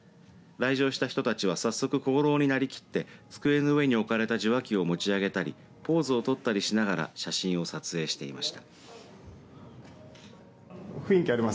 来場した人たちは早速小五郎になりきって机の上に置かれた受話器を持ち上げたりポーズを取ったりしながら写真を撮影していました。